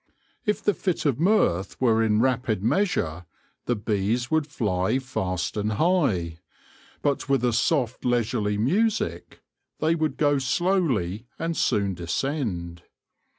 If the fit of mirth were in rapid measure, the bees would fly fast and high ; but with a soft leisurely music, they would go slowly, and soon descend.